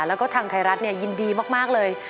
แล้วก็ทางไทยรัฐยินดีมากเลย